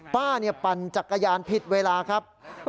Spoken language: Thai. ปั่นจักรยานผิดเวลาครับ